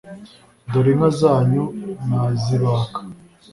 Dore inka zanyu nazibaka,